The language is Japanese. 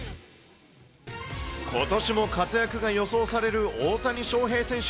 ことしも活躍が予想される大谷翔平選手。